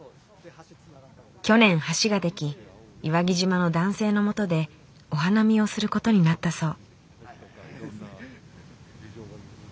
去年橋が出来岩城島の男性のもとでお花見をすることになったそう。